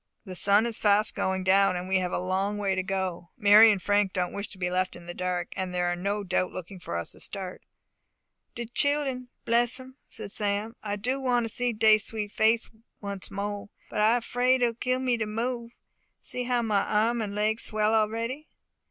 The sun is fast going down, and we have a long way to go. Mary and Frank don't wish to be left in the dark, and are no doubt looking for us to start." "De childun! Bless 'em!" said Sam. "I do want to see dey sweet face once mo 'e. But I 'fraid it will kill me to move. See how my arm and leg swell a'ready."